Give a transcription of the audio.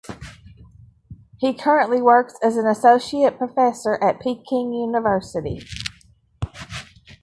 He currently works as an associate professor at Peking University.